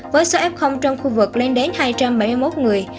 với số f trong khu vực lên đến hai trăm bảy mươi một người